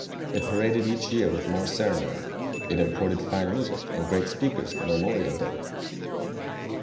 It paraded each year with more ceremony; it imported fine music and great speakers for Memorial Day.